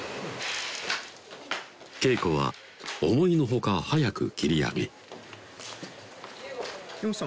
稽古は思いの外早く切り上げ柄本さん